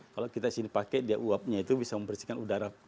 kalau kita sini pakai dia uapnya itu bisa membersihkan udara